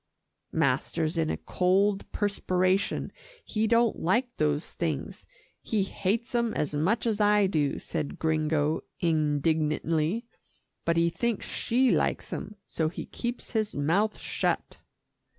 "Master's in a cold perspiration; he don't like those things he hates 'em as much as I do," said Gringo indignantly, "but he thinks she likes 'em, so he keeps his mouth shut."